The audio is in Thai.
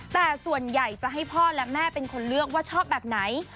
แต่ส่วนใหญ่จะให้พ่อและแม่เป็นคนเลือกว่าชอบแบบไหน